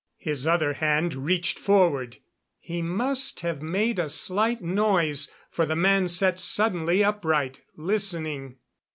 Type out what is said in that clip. His other hand reached forward. He must have made a slight noise, for the man sat suddenly upright, listening.